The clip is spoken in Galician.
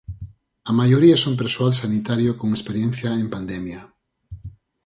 A maioría son persoal sanitario con experiencia en pandemia.